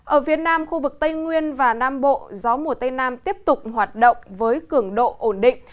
ở phía nam khu vực tây nguyên và nam bộ gió mùa tây nam tiếp tục hoạt động với cường độ ổn định